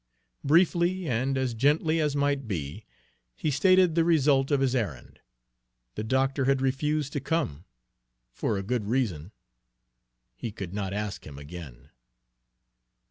Briefly, and as gently as might be, he stated the result of his errand. The doctor had refused to come, for a good reason. He could not ask him again.